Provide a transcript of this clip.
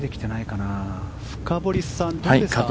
深堀さん、どうですか？